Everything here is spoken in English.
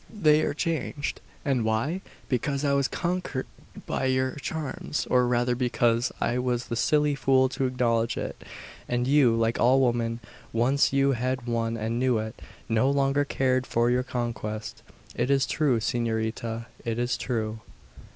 They are changed, and why? Because I was conquered by your charms, or rather because I was the silly fool to acknowledge it; and you, like all women, once you had won and knew it, no longer cared for your conquest. It is true, S'norita; it is true."